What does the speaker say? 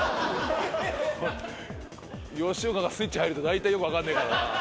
吉岡がスイッチ入るとだいたいよく分かんねえからな。